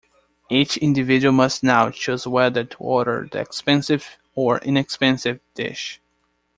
Each individual must now choose whether to order the expensive or inexpensive dish.